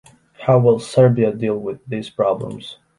How will Serbia deal with these problems?